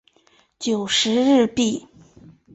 九十日币